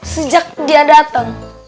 sejak dia dateng